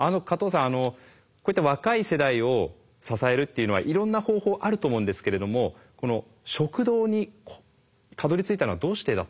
こういった若い世代を支えるっていうのはいろんな方法あると思うんですけれどもこの食堂にたどりついたのはどうしてだったんですか？